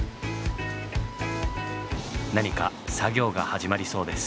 何か作業が始まりそうです。